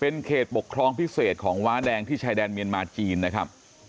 เขตปกครองพิเศษของว้าแดงที่ชายแดนเมียนมาจีนนะครับ